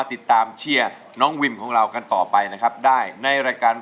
ที่ทำให้คุณวิมนะครับก้าวผ่านมาได้นะครับ